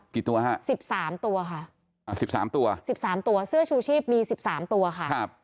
ตัวฮะสิบสามตัวค่ะอ่าสิบสามตัวสิบสามตัวเสื้อชูชีพมี๑๓ตัวค่ะครับ